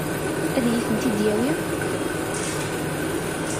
Ad iyi-tent-id-yawi?